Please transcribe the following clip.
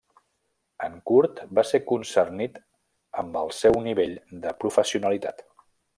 En curt, va ser concernit amb el seu nivell de professionalitat.